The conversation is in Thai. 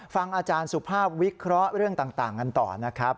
ฟังอาจารย์สุภาพวิเคราะห์เรื่องต่างกันต่อนะครับ